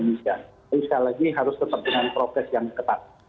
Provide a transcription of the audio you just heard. tapi sekali lagi harus tetap dengan progres yang ketat